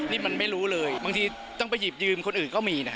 นี่มันไม่รู้เลยบางทีต้องไปหยิบยืมคนอื่นก็มีนะ